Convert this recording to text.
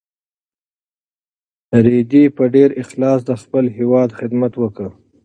رېدي په ډېر اخلاص د خپل هېواد خدمت وکړ.